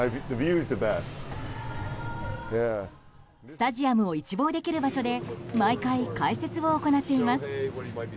スタジアムを一望できる場所で毎回、解説を行っています。